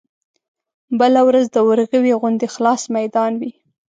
بله ورځ د ورغوي غوندې خلاص ميدان وي.